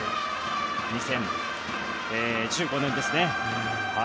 ２０１５年ですね。